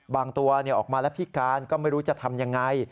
ตัวออกมาแล้วพิการก็ไม่รู้จะทำยังไง